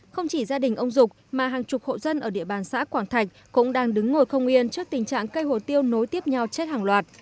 không chỉ gia đình ông dục mà hàng chục hộ dân ở địa bàn xã quảng thạch cũng đang đứng ngồi không yên trước tình trạng cây hổ tiêu nối tiếp nhau chết hàng loạt